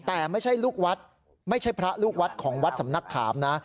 แต่ไม่ใช่ลูกวัดไม่ใช่พระลูกวัดของวัดสำนักขามนะ